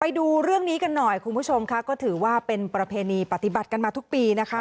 ไปดูเรื่องนี้กันหน่อยคุณผู้ชมค่ะก็ถือว่าเป็นประเพณีปฏิบัติกันมาทุกปีนะคะ